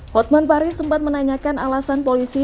hotman paris sempat menanyakan alasan polisi